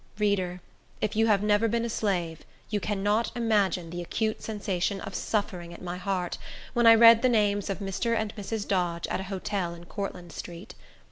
Reader, if you have never been a slave, you cannot imagine the acute sensation of suffering at my heart, when I read the names of Mr. and Mrs. Dodge, at a hotel in Courtland Street.